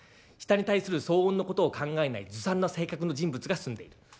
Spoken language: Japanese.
下に対する騒音のことを考えないずさんな性格の人物が住んでいる。